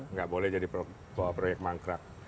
nggak boleh jadi proyek mangkrak